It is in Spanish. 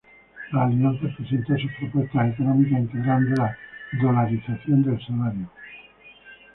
La alianza presentó sus propuestas económicas integrando la dolarización del salario.